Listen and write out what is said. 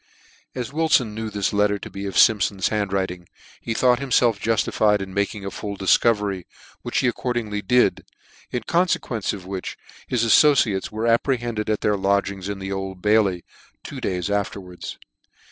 As Wilfon knew this letter to be of Simpfon's hand writing, he thought himfelf juftified in making a full difcovery, which he accordingly did, in confequence of which his affociates were apprehended at their lodging in the Old Bailey, two days afterwards.